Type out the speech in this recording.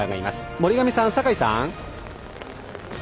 森上さん、酒井さん。